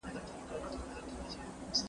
که ټولنه سمه غذا ترلاسه کړي، ځواکمنه وي.